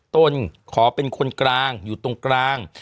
ตนขอเป็นคนกลางอยู่ตรงกลาง